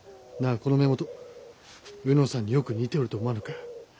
この目元卯之さんによく似ておると思わぬか？